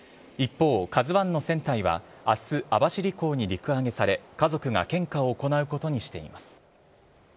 一方、ＫＡＺＵＩの船体はあす、網走港に陸揚げされ、家族が献花を行うことにしています。